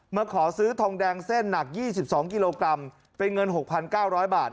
มาขอซื้อทองแดงเส้นหนัก๒๒กิโลกรัมเป็นเงิน๖๙๐๐บาท